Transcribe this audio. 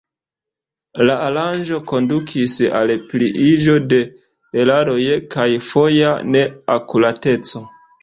La aranĝo kondukis al pliiĝo de eraroj kaj foja neakurateco.